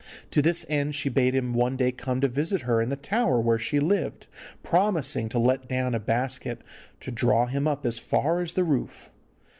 To this end, she bade him one day come to visit her in the tower where she lived, promising to let down a basket to draw him up as far as the roof.